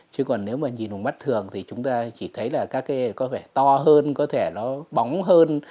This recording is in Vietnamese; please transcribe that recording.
chứ còn nếu mà nhìn bằng mắt thường thì chúng ta chỉ thấy là các cái có vẻ to hơn có thể nó bóng hơn